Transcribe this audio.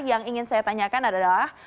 yang ingin saya tanyakan adalah